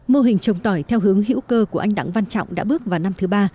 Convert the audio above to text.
mô hình trồng tỏi theo hướng hữu cơ của anh đặng văn trọng đã bước vào năm thứ ba